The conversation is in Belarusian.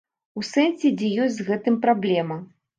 У сэнсе дзе ёсць з гэтым праблемы.